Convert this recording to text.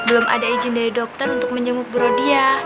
belum ada izin dari dokter untuk menjenguk brodia